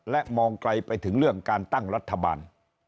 และมองไกลไปถึงเรื่องการตั้งรัฐบาล